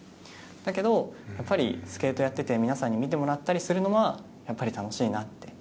だけどやっぱりスケートやってて皆さんに見てもらったりするのはやっぱり楽しいなって。